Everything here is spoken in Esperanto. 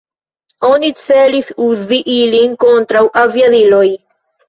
Oni celis uzi ilin kontraŭ aviadiloj.